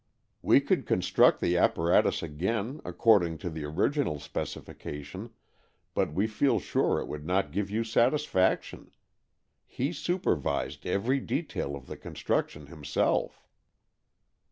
We could construct the apparatus again according to the original specification, but we feel sure it would not give you satisfaction. He supervised every detail of the construction himself."